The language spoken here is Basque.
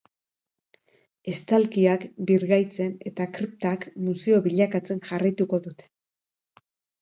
Estalkiak birgaitzen eta kriptak museo bilakatzen jarraituko dute.